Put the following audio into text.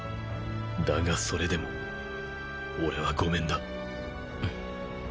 だがそれでも俺はごめんだ。